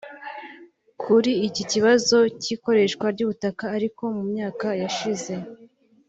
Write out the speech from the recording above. Kuri iki kibazo cy’ikoreshwa ry’ubutaka ariko mu myaka yashize